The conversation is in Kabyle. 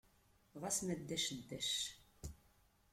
Ɣas ma ddac ddac.